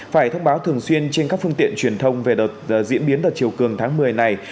phải thông báo thường xuyên trên các phương tiện truyền thông về đợt diễn biến đợt chiều cường tháng một mươi này